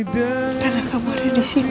karena kamu ada disini